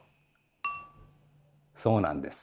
そうなんです。